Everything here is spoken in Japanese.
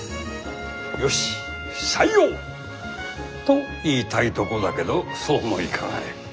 よし採用！と言いたいとこだけどそうもいかない。